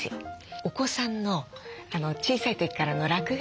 お子さんの小さい時からの落書き。